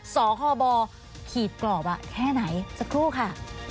สคบขีดกรอบแค่ไหนสักครู่ค่ะ